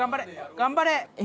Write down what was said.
頑張れ！